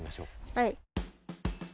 はい。